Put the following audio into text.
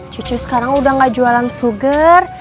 cucu sekarang udah gak jualan suger